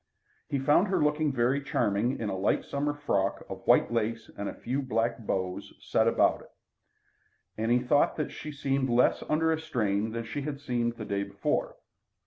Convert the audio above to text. He found her looking very charming in a light summer frock of white lace with a few black bows set about it, and he thought that she seemed less under a strain than she had seemed the day before.